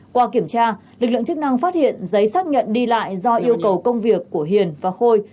qua kiểm tra lực lượng chức năng phát hiện giấy xác nhận đi lại do yêu cầu công việc của hiền và khôi